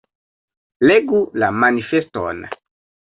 Legu la manifeston.